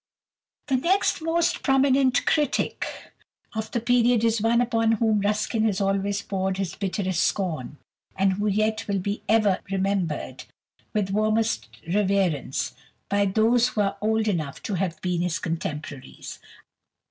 The next most prominent critic of the period is one upon whom Ruskin has always poured his bitterest scorn, and who yet will be ever remembered with warmest reverence by those who are old enough to have been his contemporaries.